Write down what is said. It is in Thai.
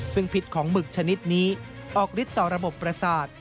ซึ่งพิษของหมึกชนิดนี้ออกฤทธิ์ต่อระบบประสาท